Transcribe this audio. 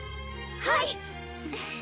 はい！